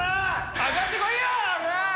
かかってこいよ、おらぁ！